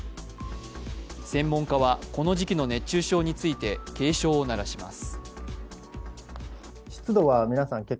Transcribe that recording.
専門家は、この時期の熱中症について警鐘を鳴らします。